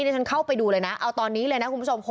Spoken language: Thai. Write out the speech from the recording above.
ที่ฉันเข้าไปดูเลยนะเอาตอนนี้เลยนะคุณผู้ชม